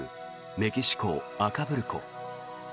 メキシコ・アカプルコ。